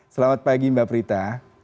selamat pagi mbak prita